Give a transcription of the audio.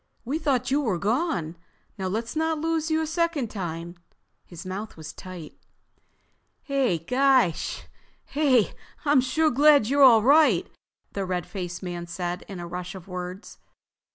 "We thought you were gone. Now let's not lose you a second time." His mouth was tight. "Hey, I'm sure glad you're all right!" the red faced man said in a rush of words.